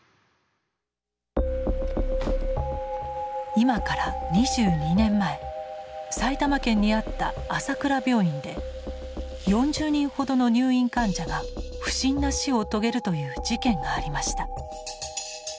今から２２年前埼玉県にあった朝倉病院で４０人ほどの入院患者が不審な死を遂げるという事件がありました。